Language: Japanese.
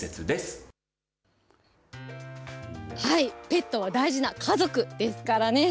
ペットは大事な家族ですからね。